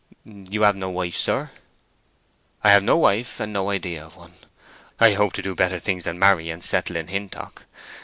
"You have no wife, sir?" "I have no wife, and no idea of one. I hope to do better things than marry and settle in Hintock.